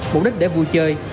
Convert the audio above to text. mục đích để vui chơi